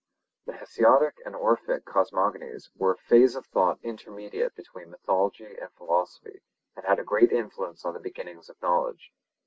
The Hesiodic and Orphic cosmogonies were a phase of thought intermediate between mythology and philosophy and had a great influence on the beginnings of knowledge.